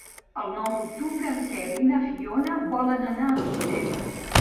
El nou d'octubre en Quer i na Fiona volen anar al cinema.